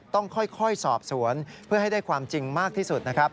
ต้องค่อยสอบสวนเพื่อให้ได้ความจริงมากที่สุดนะครับ